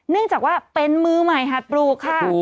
เนื่องจากว่าเป็นมือใหม่หัดปลูกค่ะ